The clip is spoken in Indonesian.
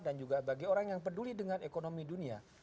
dan juga bagi orang yang peduli dengan ekonomi dunia